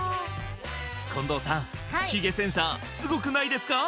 近藤さんヒゲセンサーすごくないですか？